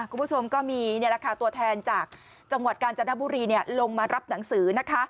คุณผู้ชมก็มีตัวแทนจากจังหวัดกาญจนบุรีลงมารับหนังสือนะคะ